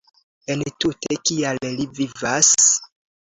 Entute kial li vivas?